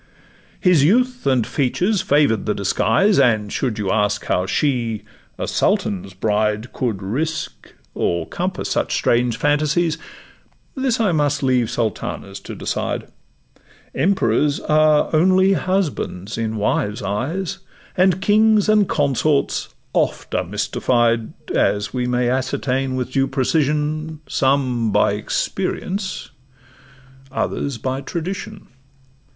His youth and features favour'd the disguise, And, should you ask how she, a sultan's bride, Could risk or compass such strange phantasies, This I must leave sultanas to decide: Emperors are only husbands in wives' eyes, And kings and consorts oft are mystified, As we may ascertain with due precision, Some by experience, others by tradition.